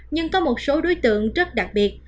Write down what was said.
nhưng có một số đối tượng rất đặc biệt